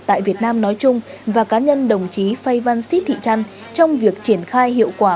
tại việt nam nói chung và cá nhân đồng chí phai van sít thị trăn trong việc triển khai hiệu quả